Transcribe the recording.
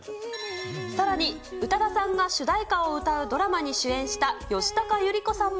さらに宇多田さんが主題歌を歌うドラマに主演した吉高由里子さんも。